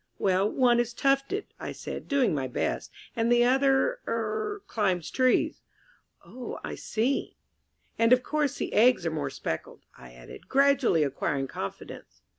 "Well, one is tufted," I said, doing my best, "and the other er climbs trees." "Oh, I see." "And of course the eggs are more speckled," I added, gradually acquiring confidence.